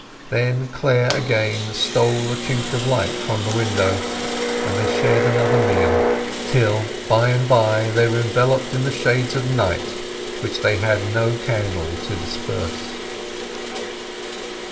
Then Clare again stole a chink of light from the window, and they shared another meal, till by and by they were enveloped in the shades of night which they had no candle to disperse.